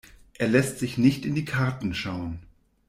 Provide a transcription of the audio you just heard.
Er lässt sich nicht in die Karten schauen.